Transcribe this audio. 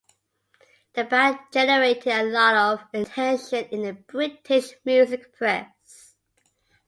The band generated a lot of attention in the British music press.